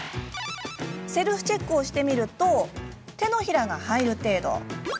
セルフチェックをしてみると手のひらが入る程度。